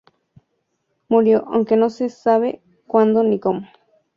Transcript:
Murió, aunque no se sabe cuándo ni cómo.